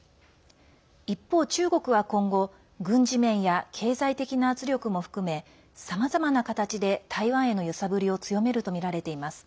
一方、中国は今後軍事面や経済的な圧力も含めさまざまな形で台湾への揺さぶりを強めるとみられています。